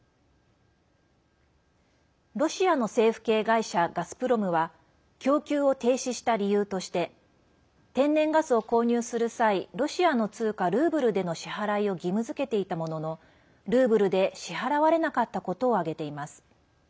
ロシアの政府系会社ガスプロムは供給を停止した理由として天然ガスを購入する際ロシアの通貨ルーブルでの支払いを義務づけていたもののルーブルで支払われなかったことを挙げています。